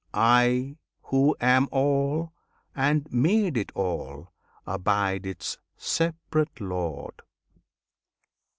I, who am all, and made it all, abide its separate Lord!